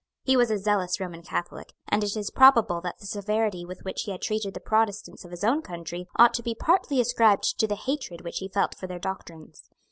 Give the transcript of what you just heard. He was a zealous Roman Catholic; and it is probable that the severity with which he had treated the Protestants of his own country ought to be partly ascribed to the hatred which he felt for their doctrines.